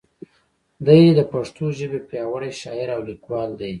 دی د پښتو ژبې پیاوړی شاعر او لیکوال دی.